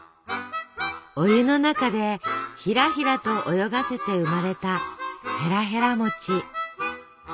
お湯の中でひらひらと泳がせて生まれたへらへら餅。